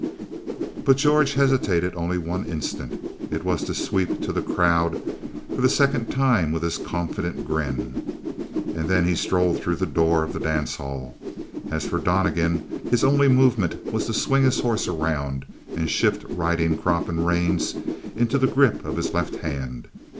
Big George hesitated only one instant it was to sweep the crowd for the second time with his confident grin and he strode through the door of the dance hall. As for Donnegan, his only movement was to swing his horse around and shift riding crop and reins into the grip of his left hand.